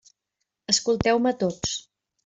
Escolteu-me tots.